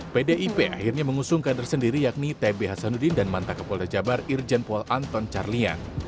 pdip akhirnya mengusungkan tersendiri yakni tb hasanuddin dan manta kapolda jabar irjen pol anton carliang